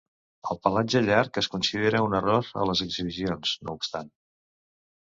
El pelatge llarg es considera un error a les exhibicions, no obstant.